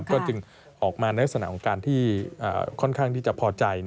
ก็จึงออกมาในลักษณะของการที่ค่อนข้างที่จะพอใจ